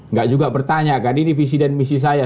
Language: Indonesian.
nggak juga bertanya kan ini visi dan misi saya